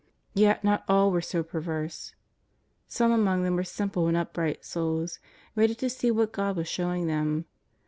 Yet not all were so preverse. Some among them were simple and upright souls, ready to see what God was showing them.